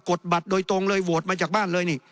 ดบัตรโดยตรงเลยโหวตมาจากบ้านเลยนี่